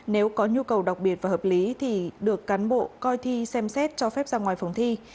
nếu có nhu cầu đặc biệt và hợp lý thì được cán bộ coi thi xem xét cho phép ra ngoài phòng thi